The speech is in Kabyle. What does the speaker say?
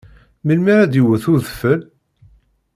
Melmi ara d-iwet udfel?